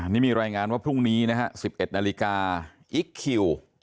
นี่มีรายงานว่าพรุ่งนี้นะฮะ๑๑นาฬิกาอิ๊กคิว